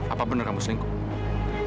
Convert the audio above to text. apa bener kamu selingkuh